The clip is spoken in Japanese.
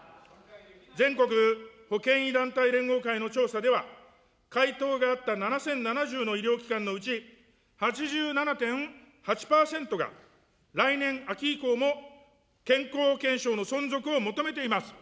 全国保険医団体連合会の調査では、回答があった７０７０の医療機関のうち、８７．８％が、来年秋以降も健康保険証の存続を求めています。